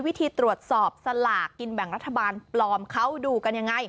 วิธีตรวจสอบสลากกินแบ่งรัฐบาลปลอมเขาดูกันยังไง